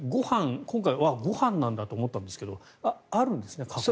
今回はご飯なんだと思ったんですがあるんですね、過去に。